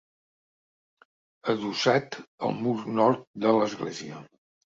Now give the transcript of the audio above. Adossat al mur nord de l'església.